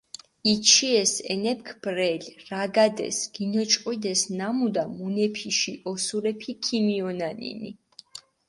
იჩის ენეფქ ბრელი, რაგადეს, გინოჭყვიდეს ნამუდა, მუნეფიში ოსურეფი ქიმიჸონანინი.